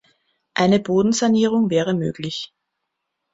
Eine Bodensanierung wäre möglich.